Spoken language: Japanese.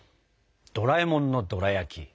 ドラえもんのドラやき。